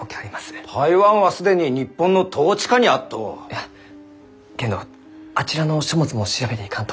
いやけんどあちらの書物も調べていかんと。